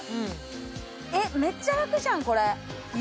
えっめっちゃ楽じゃんこれ。